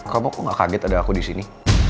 kamu kok gak kaget ada aku disini